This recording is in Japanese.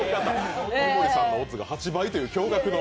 井森さんのオッズが８倍という驚がくの。